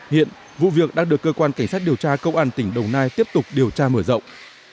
hiện vụ việc đang được cơ quan cảnh sát điều tra công an tỉnh đồng nai tiếp tục điều tra mở rộng